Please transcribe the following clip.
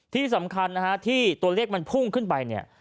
ที่สำคัญที่ตัวเลขมันพุ่งขึ้นไป